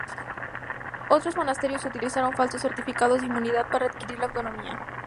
Otros monasterios utilizaron falsos certificados de inmunidad para adquirir la autonomía.